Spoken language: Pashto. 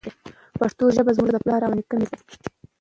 پښتو ژبه زموږ د پلار او نیکه میراث دی.